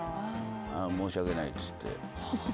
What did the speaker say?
申し訳ないって。